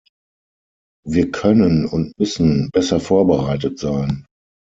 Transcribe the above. Wir können und müssen besser vorbereitet sein.